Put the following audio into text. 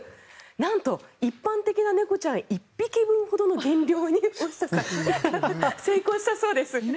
なんと一般的な猫ちゃん１匹分ほどの減量に成功したそうです。